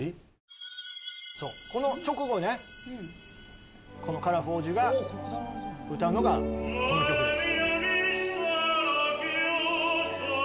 そうこの直後ねこのカラフ王子が歌うのがこの曲です。